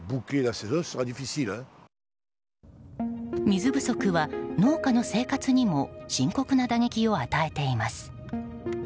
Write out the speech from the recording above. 水不足は農家の生活にも深刻な打撃を与えています。